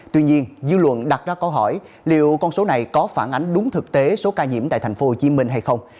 tuy nhiên dư luận đặt ra câu hỏi liệu con số này có phản ánh đúng thực tế số ca nhiễm tại tp hcm hay không